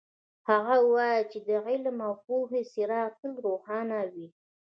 هغه وایي چې د علم او پوهې څراغ تل روښانه وي